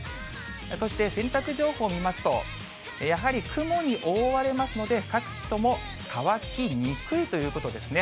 そして洗濯情報を見ますと、やはり雲に覆われますので、各地とも乾きにくいということですね。